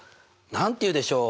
何と言うでしょう？